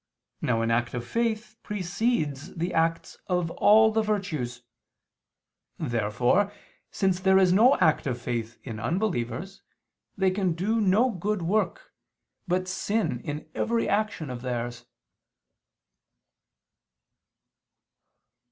Now an act of faith precedes the acts of all the virtues. Therefore, since there is no act of faith in unbelievers, they can do no good work, but sin in every action of theirs.